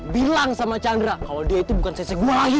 bilang sama chandra kalau dia itu bukan sensei gue lagi